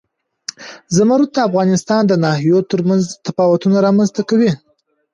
زمرد د افغانستان د ناحیو ترمنځ تفاوتونه رامنځ ته کوي.